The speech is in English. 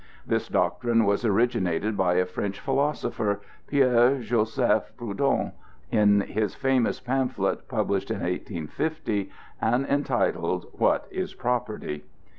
This doctrine was originated by a French philosopher, Pierre Joseph Proudhon, in his famous pamphlet published in 1850 and entitled: "What is Property?"